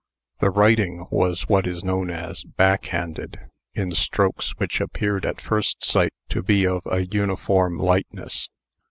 The writing was what is known as "backhanded," in strokes which appeared at first sight to be of a uniform lightness.